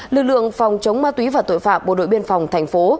lực lượng phòng chống ma túy và tội phạm bộ đội biên phòng thành phố